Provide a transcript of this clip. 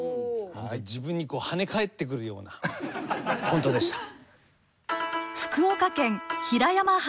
自分にこうはね返ってくるようなコントでした。